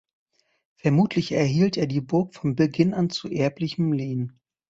Vermutlich erhielt er die Burg von Beginn an zu erblichem Lehen.